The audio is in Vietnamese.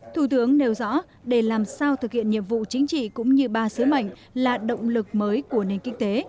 thủ tướng nêu rõ để làm sao thực hiện nhiệm vụ chính trị cũng như ba sứ mệnh là động lực mới của nền kinh tế